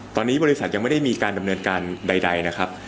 ตอนนี้บริษัทยังไม่ได้มีการดำเนินการใดนะครับ